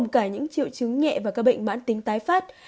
chứng nhẹ và các bệnh bản tính tái phát